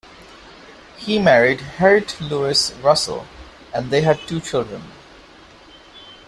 He married Harriett Louise Russell and they had two children.